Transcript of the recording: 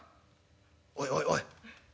おいおいおい。